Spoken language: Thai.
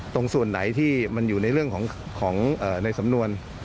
ตรงส่วนไหนที่มันอยู่ในเรื่องของในสำนวน